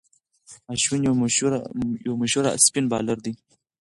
اشوين یو مشهور اسپن بالر دئ.